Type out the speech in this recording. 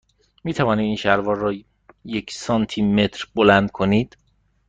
می توانید این شلوار را یک سانتی متر بلند کنید؟